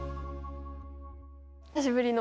久しぶりの。